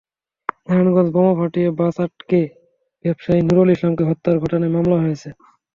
নারায়ণগঞ্জে বোমা ফাটিয়ে বাস আটকে ব্যবসায়ী নুরুল ইসলামকে হত্যার ঘটনায় মামলা হয়েছে।